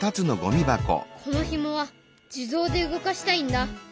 このヒモは自動で動かしたいんだ。